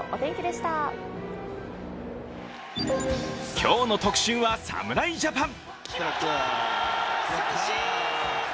今日の特集は侍ジャパン。